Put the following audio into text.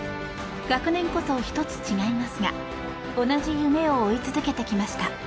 学年こそ、１つ違いますが同じ夢を追い続けてきました。